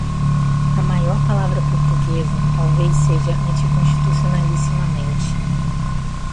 A maior palavra portuguesa talvez seja "anticonstitucionalmente".